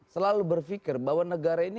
selalu berpikir bahwa negara ini